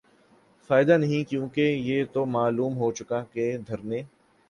فائدہ نہیں کیونکہ یہ تو معلوم ہوچکا کہ دھرنے